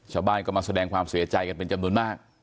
ชาวบ้านก็มาแสดงความเสียใจกันเป็นจำนวนมาก